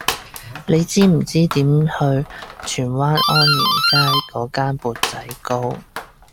你知唔知點去荃灣安賢街嗰間缽仔糕